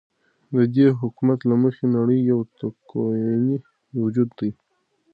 ددي حكومت له مخې نړۍ يو تكويني وجود دى ،